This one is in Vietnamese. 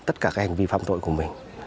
tất cả hành vi phạm tội của mình